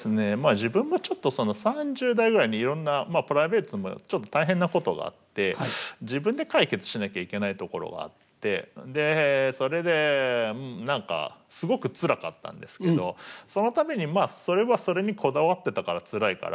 自分がちょっと３０代ぐらいにいろんなプライベートもちょっと大変なことがあって自分で解決しなきゃいけないところがあってでそれで何かすごくつらかったんですけどそのためにまあそれはそれにこだわってたからつらいからもう諦めようと。